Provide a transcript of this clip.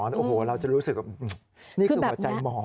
โอ้โหเราจะรู้สึกว่านี่คือหัวใจหมอ